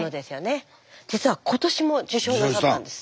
実は今年も受賞なさったんです。